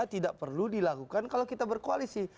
tidak perlu dilakukan kalau kita berkoalisi